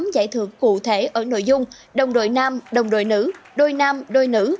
tám giải thưởng cụ thể ở nội dung đồng đội nam đồng đội nữ đôi nam đôi nữ